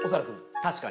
確かに。